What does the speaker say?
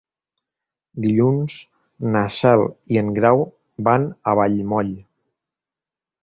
Dilluns na Cel i en Grau van a Vallmoll.